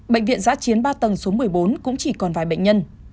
bệnh viện giã chiến ba tầng số một mươi bốn cũng chỉ có năm bệnh nhân